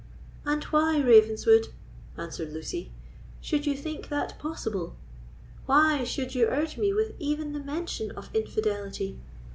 "And why, Ravenswood," answered Lucy, "should you think that possible? Why should you urge me with even the mention of infidelity?